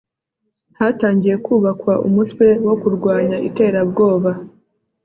hatangiye kubakwa umutwe wo kurwanya iterabwoba